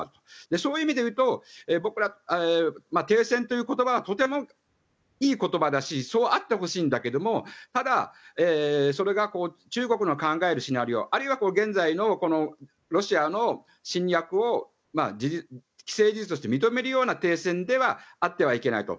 そういう意味で言うと停戦という言葉はとてもいい言葉だしそうあってほしいんだけどただ、それが中国の考えるシナリオあるいは現在のロシアの侵略を既成事実として認めるような停戦ではあってはいけないと。